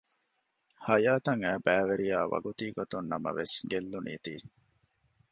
ހަޔާތަށް އައި ބައިވެރިޔާ ވަގުތީގޮތުން ނަމަވެސް ގެއްލުނީތީ